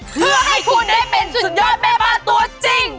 เพื่อให้คุณได้เป็นสุดยอดแม่บ้านตัวจริง